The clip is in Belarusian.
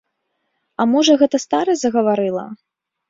А можа гэта старасць загаварыла?